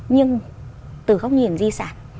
nhưng từ góc nhìn di sản